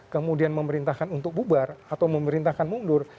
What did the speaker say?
kemudian memerintahkan untuk bubar atau memerintahkan mundur